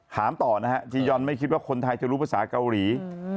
ต่อนะฮะจียอนไม่คิดว่าคนไทยจะรู้ภาษาเกาหลี